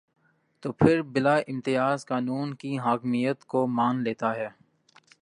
تو پھر بلا امتیاز قانون کی حاکمیت کو مان لیتا ہے۔